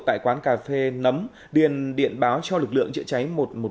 tại quán cà phê nấm điền điện báo cho lực lượng chữa cháy một trăm một mươi bốn